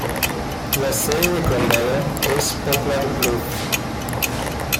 La sede de condado es Poplar Bluff.